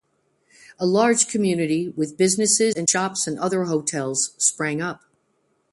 A large community, with businesses and shops, and other hotels, sprang up.